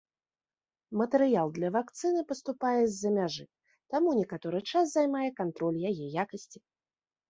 Матэрыял для вакцыны паступае з-за мяжы, таму некаторы час займае кантроль яе якасці.